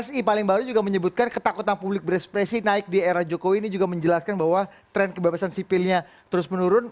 psi paling baru juga menyebutkan ketakutan publik berekspresi naik di era jokowi ini juga menjelaskan bahwa tren kebebasan sipilnya terus menurun